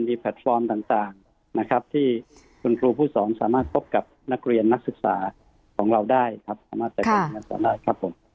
มีแปลตฟอร์มต่างนะครับที่คุณครูผู้สองสามารถพบกับนักเรียนนักศึกษาของเราได้ครับ